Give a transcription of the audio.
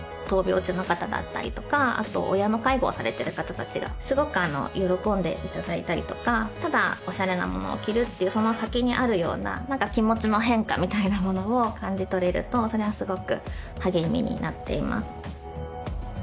闘病中の方だったりとか親の介護をされてる方達がすごく喜んでいただいたりとかただオシャレなものを着るっていうその先にあるようななんか気持ちの変化みたいなものを感じ取れるとそれはすごく励みになっています